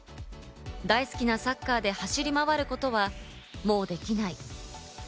大好きなサッカーで走り回ることはもうできない。